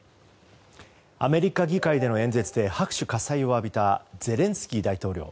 アメリカ議会での演説で拍手喝采を浴びたゼレンスキー大統領。